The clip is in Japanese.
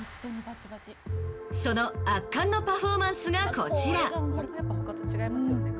その圧巻のパフォーマンスがこちら。